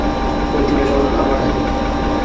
Control এখন আমার হাতে।